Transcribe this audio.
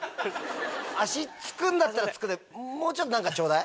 足つくんだったらつくでもうちょい何かちょうだい。